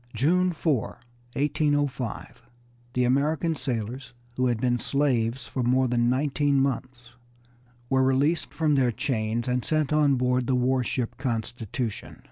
June 4, 1805, the American sailors, who had been slaves for more than nineteen months, were released from their chains and sent on board the war ship Constitution.